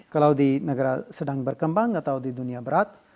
kalau di negara sedang berkembang atau di dunia berat